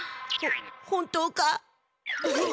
ほ本当か？